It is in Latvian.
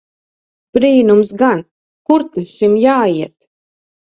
Brīnums gan! Kur ta šim jāiet!